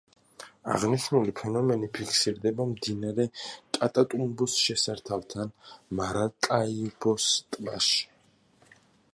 აღნიშნული ფენომენი ფიქსირდება მდინარე კატატუმბოს შესართავთან, მარაკაიბოს ტბაში.